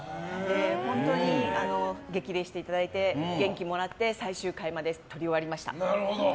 本当に激励していただいて元気もらって最終回まで撮り終わりました。